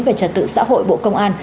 và trật tự xã hội bộ công an